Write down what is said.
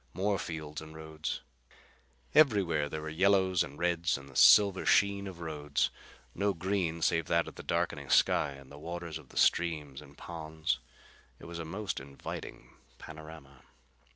More fields and roads. Everywhere there were yellows and reds and the silver sheen of the roads. No green save that of the darkening sky and the waters of the streams and ponds. It was a most inviting panorama.